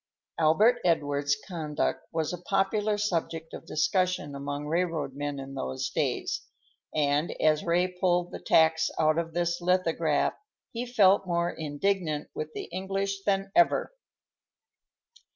Albert Edward's conduct was a popular subject of discussion among railroad men in those days, and as Ray pulled the tacks out of this lithograph he felt more indignant with the English than ever.